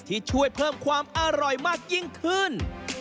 ที่ช่วยเพิ่มความอร่อยมากยิ่งขึ้น